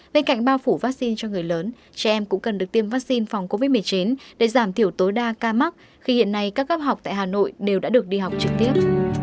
bên cạnh bao phủ vaccine cho người lớn trẻ em cũng cần được tiêm vaccine phòng covid một mươi chín để giảm thiểu tối đa ca mắc khi hiện nay các cấp học tại hà nội đều đã được đi học trực tiếp